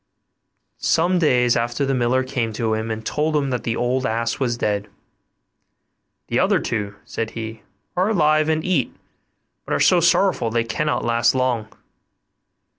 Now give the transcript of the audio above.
Some days after, the miller came to him and told him that the old ass was dead; 'The other two,' said he, 'are alive and eat, but are so sorrowful that they cannot last long.